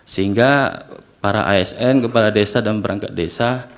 sehingga para asn kepala desa dan perangkat desa